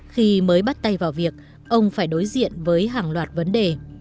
khi mới bắt tay vào việc ông phải đối diện với hàng loạt vật